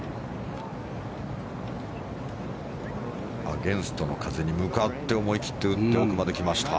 アゲンストの風に向かって思い切って打って奥まで来ました。